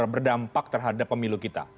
berdampak terhadap pemilu kita